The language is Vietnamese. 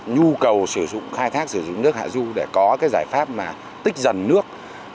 nhu cầu sử dụng khai thác sử dụng nước hạ du để có cái giải pháp mà tích dần nước